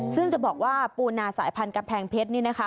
ซึ่งจะบอกว่าปูนาสายพันธกำแพงเพชรนี่นะคะ